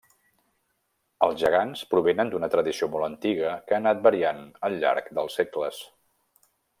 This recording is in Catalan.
Els gegants provenen d'una tradició molt antiga que ha anat variant al llarg dels segles.